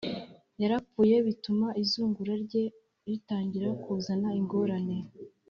yarapfuye bituma izungura rye ritangira kuzana ingorane